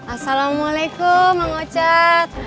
assalamualaikum mang ocad